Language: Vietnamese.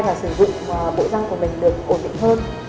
và sử dụng bộ răng của mình được ổn định hơn